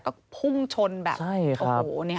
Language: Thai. ก็พุ่งชนแบบโอ้โหนี่ค่ะ